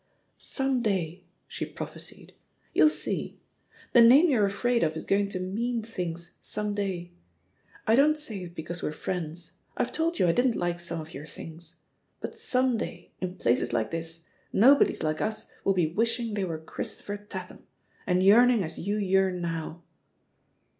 "Some day!" she prophesied. "You'll seel The name you're afraid of is going to 'mean things' some day. I don't say it because we're friends — I've told you I didn't like some of your things. But some day, in places like this, no bodies like us will be wishing they were Chris topher Tatham, and yearning as you yearn now."